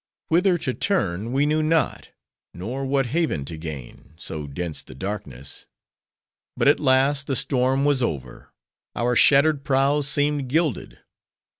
Whither to turn we knew not; nor what haven to gain; so dense the darkness. But at last, the storm was over. Our shattered prows seemed gilded.